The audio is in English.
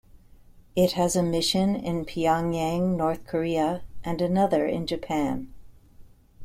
It has a mission in Pyongyang, North Korea and another in Japan.